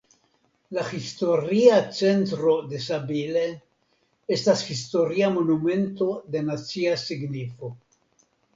La historia centro de Sabile estas historia monumento de nacia signifo.